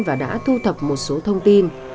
và đã thu thập một số thông tin